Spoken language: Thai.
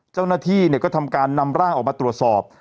เจ้าหน้าที่ก็ทำการนำร่างออกมาตรวจสอบ